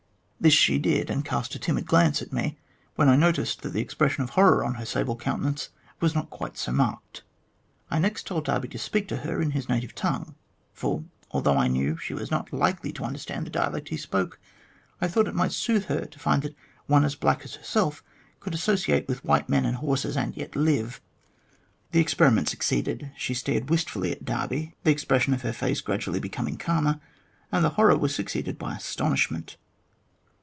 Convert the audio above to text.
This she did, and cast a timid glance at me, when I noticed that the expression of horror on her sable countenance was not quite so marked. I next told Darby to speak to her in his native tongue, for although I knew she was not likely to understand the dialect he spoke, I thought it might soothe her to find that one as black as herself could associate with white men and horses, and yefc live. The experiment succeeded ; she stared wistfully at Darby, the expression of her face gradually became calmer, and horror was succeeded by astonishment.